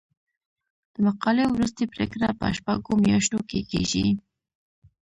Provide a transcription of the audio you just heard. د مقالې وروستۍ پریکړه په شپږو میاشتو کې کیږي.